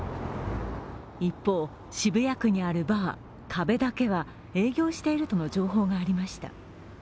一方、渋谷区にあるバー「壁」だけは営業しているとの情報がありました。